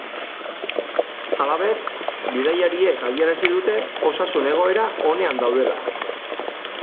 Halaber, bidaiariek adierazi dute osasun egoera onean daudela.